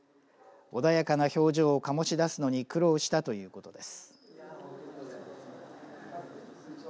穏やかな表情を醸し出すのに苦労したということです。